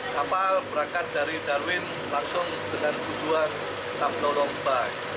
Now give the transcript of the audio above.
kapal berangkat dari darwin langsung dengan tujuan tamdolong bay